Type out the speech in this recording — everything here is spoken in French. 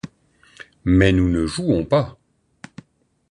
Mais nous ne jouons pas!